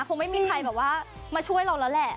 คงไม่มีใครแบบว่ามาช่วยเราแล้วแหละ